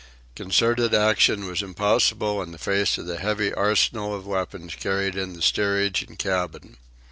Concerted action was impossible in face of the heavy arsenal of weapons carried in the steerage and cabin.